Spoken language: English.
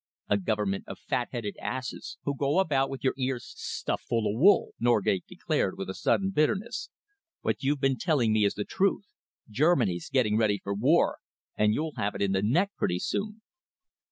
"A Government of fat headed asses who go about with your ears stuffed full of wool," Norgate declared, with a sudden bitterness. "What you've been telling me is the truth. Germany's getting ready for war, and you'll have it in the neck pretty soon."